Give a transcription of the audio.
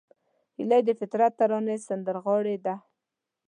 هیلۍ د فطرت ترانې سندرغاړې ده